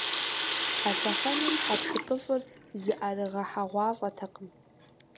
А лъэхъэнэм хьэпшыпыфӏыр зыӏэрыгъэхьэгъуафӏэтэкъым.